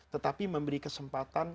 tetapi memberi kesempatan